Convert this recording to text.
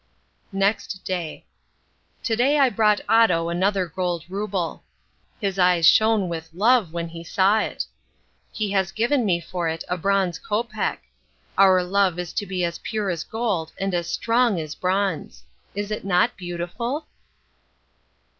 Next Day. To day I brought Otto another gold rouble. His eyes shone with love when he saw it. He has given me for it a bronze kopek. Our love is to be as pure as gold and as strong as bronze. Is it not beautiful?